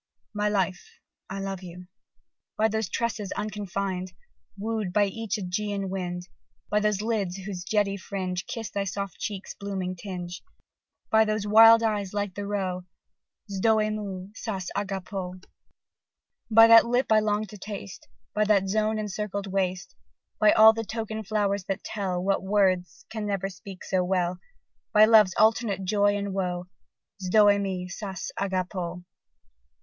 _ (My life, I love you!) By those tresses unconfined, Woo'd by each Ægean wind; By those lids whose jetty fringe Kiss thy soft cheeks' blooming tinge; By those wild eyes like the roe, Zöe mou, sas agapo. By that lip I long to taste; By that zone encircled waist; By all the token flowers that tell What words can never speak so well; By love's alternate joy and woe, Zöe mou, sas agapo.